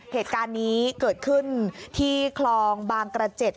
เหตุการณ์นี้เกิดขึ้นที่คลองบางกระเจ็ด